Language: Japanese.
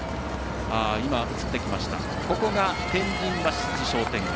ここが天神橋筋商店街。